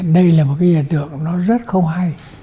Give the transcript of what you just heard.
đây là một cái hiện tượng nó rất không hay